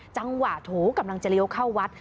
จังหวะโถกำลังจะเลี้ยวเข้าวัด